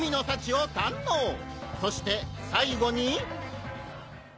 そして最後に！？